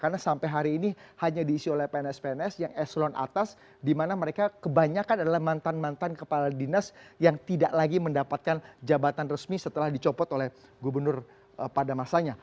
karena sampai hari ini hanya diisi oleh pns pns yang eselon atas dimana mereka kebanyakan adalah mantan mantan kepala dinas yang tidak lagi mendapatkan jabatan resmi setelah dicopot oleh gubernur pada masanya